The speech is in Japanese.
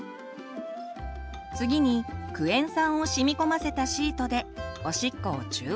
次にクエン酸を染み込ませたシートでおしっこを中和させます。